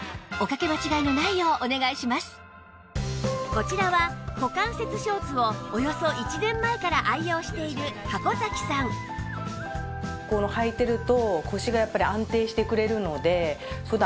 こちらは股関節ショーツをおよそ１年前から愛用している箱崎さんなのを実感しています。